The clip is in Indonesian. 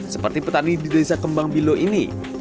seperti petani di desa kembang bilo ini